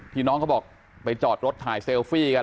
น้องเขาบอกไปจอดรถถ่ายเซลฟี่กัน